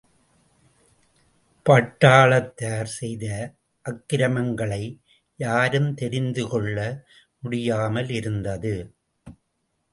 பட்டாளத்தார் செய்த அக்கிரமங்களை யாரும் தெரிந்து கொள்ள முடியாமலிருந்தது.